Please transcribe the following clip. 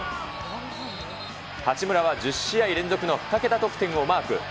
八村は１０試合連続の２桁得点をマーク。